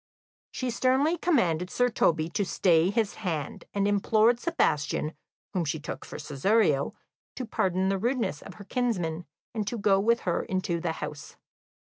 She sternly commanded Sir Toby to stay his hand, and implored Sebastian, whom she took for Cesario, to pardon the rudeness of her kinsman, and to go with her into the house.